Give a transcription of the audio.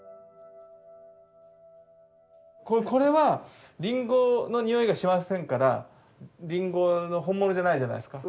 これはリンゴの匂いがしませんからリンゴの本物じゃないじゃないですか。